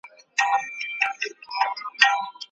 تعلیم ته لاره هواره کړئ.